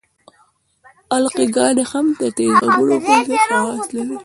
القلي ګانې هم د تیزابونو غوندې خواص لري.